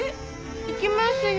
いきますよ？